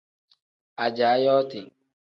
Ajaa yooti.